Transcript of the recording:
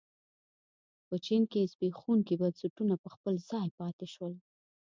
په چین کې زبېښونکي بنسټونه په خپل ځای پاتې شول.